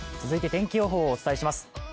続いて天気予報をお伝えします。